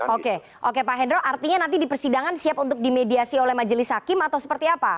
oke oke pak hendro artinya nanti di persidangan siap untuk dimediasi oleh majelis hakim atau seperti apa